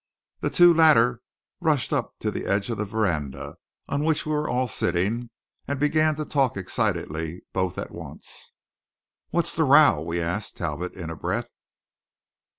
The two latter rushed up to the edge of the veranda, on which we were all sitting, and began to talk excitedly, both at once. "What's the row?" we asked Talbot in a breath.